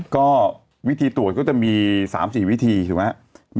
ก็วิธีตรวจก็จะมี๓๔วิธีถูกไหม